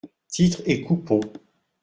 Titres et Coupons.